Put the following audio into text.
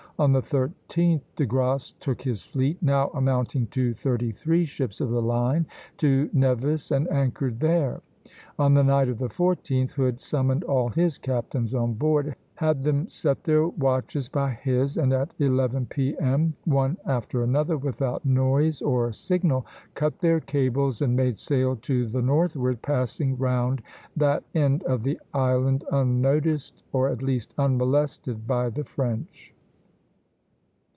On the 13th De Grasse took his fleet, now amounting to thirty three ships of the line, to Nevis, and anchored there. On the night of the 14th Hood summoned all his captains on board, had them set their watches by his, and at eleven P.M., one after another, without noise or signal, cut their cables and made sail to the northward, passing round that end of the island unnoticed, or at least unmolested, by the French.